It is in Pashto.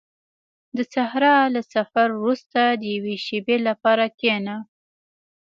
• د صحرا له سفر وروسته د یوې شېبې لپاره کښېنه.